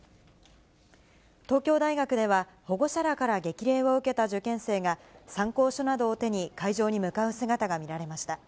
東京大学では、保護者らから激励を受けた受験生が、参考書などを手に会場に向かう姿が見られました。